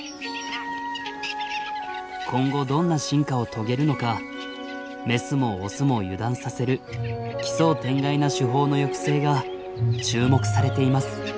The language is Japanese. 今後どんな進化を遂げるのかメスもオスも油断させる奇想天外な手法の行く末が注目されています。